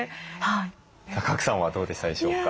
さあ賀来さんはどうでしたでしょうか？